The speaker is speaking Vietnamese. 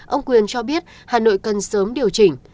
ông quyền cho biết hà nội cần sớm điều chỉnh